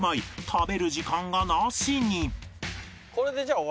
食べる時間がなしに